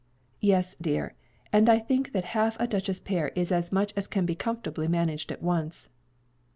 "Yes, dear; and I think that half a duchess pear is as much as can be comfortably managed at once."